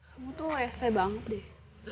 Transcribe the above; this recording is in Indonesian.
kamu tuh st banget deh